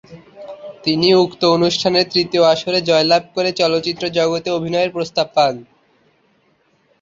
তিনি উক্ত অনুষ্ঠানের তৃতীয় আসরে জয়লাভ করে চলচ্চিত্র জগতে অভিনয়ের প্রস্তাব পান।